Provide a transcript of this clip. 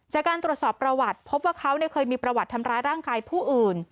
จากการตรวจสอบประวัติพบว่าเขาเคยมีประวัติทำร้ายร่างกายผู้อื่น